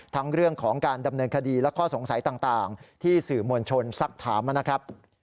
ทั้งเรื่องของการดำเนินคดีและข้อสงสัยต่างที่สื่อมวลชนสักถามนะครับ